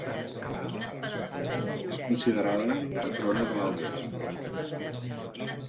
És considerada patrona de l'Alguer.